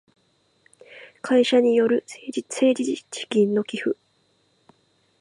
会社による政治資金の寄付